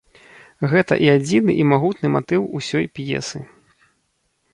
Гэта і адзіны і магутны матыў усёй п'есы.